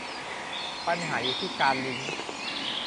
ปัญหาอยู่ที่การลิงก์